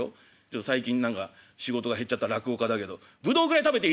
最近何か仕事が減っちゃった落語家だけどブドウぐらい食べていいだろ」。